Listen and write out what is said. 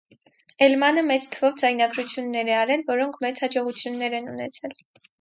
Էլմանը մեծ թվով ձայնագրություններ է արել, որոնք մեծ հաջողություն են ունեցել։